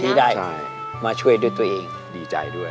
ที่ได้มาช่วยด้วยตัวเองดีใจด้วย